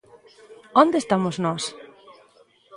Onde estamos nós?